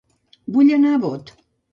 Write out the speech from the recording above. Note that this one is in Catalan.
Vull anar a Bot